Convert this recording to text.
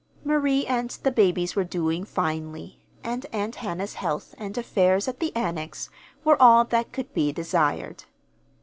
Marie and the babies were doing finely, and Aunt Hannah's health, and affairs at the Annex, were all that could be desired.